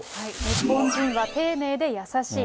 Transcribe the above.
日本人は丁寧で優しい。